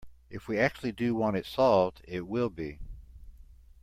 If we actually do want it solved, it will be.